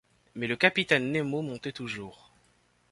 Mais le capitaine Nemo montait toujours.